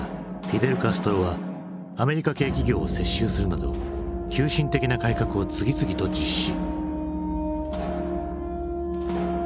フィデル・カストロはアメリカ系企業を接収するなど急進的な改革を次々と実施。